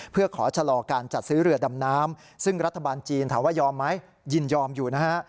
เพื่อขอชะลอการจัดซื้อเรือดำน้ำซึ่งรัฐบาลจีนถามว่ายอมไหมยินยอมอยู่นะฮะ